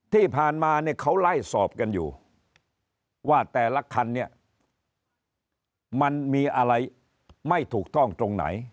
ที่ผ่านมาเนี่ยเขาไล่สอบกันอยู่ว่าแต่ละคันเนี่ยมันมีอะไรไม่ถูกต้องตรงไหน